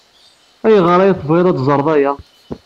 Ayɣer ay tebɣiḍ ad teẓreḍ aya?